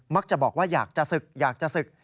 มักจะบอกว่าอยากจะศึก